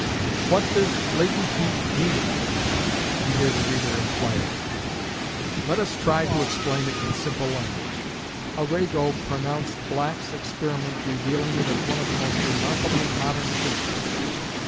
What does latent heat mean? we hear the reader inquire. Let us try to explain it in simple language. Arago pronounced Black's experiment revealing it as one of the most remarkable in modern physics.